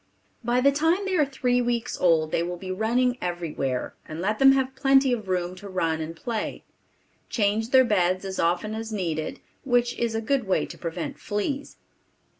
By the time they are three weeks old they will be running everywhere, and let them have plenty of room to run and play. Change their beds as often as needed, which is a good way to prevent fleas.